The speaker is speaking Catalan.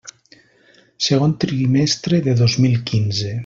Segon trimestre de dos mil quinze.